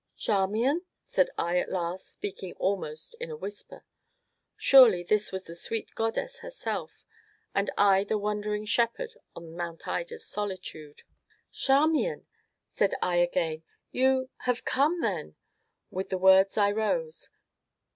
"Charmian?" said I at last, speaking almost in a whisper. Surely this was the sweet goddess herself, and I the wondering shepherd on Mount Ida's solitude. "Charmian!" said I again, "you have come then?" With the words I rose.